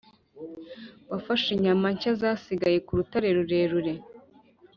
wafashe inyama nshya zasigaye ku rutare rurerure